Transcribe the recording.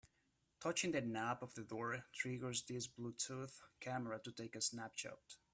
Touching the knob of the door triggers this Bluetooth camera to take a snapshot.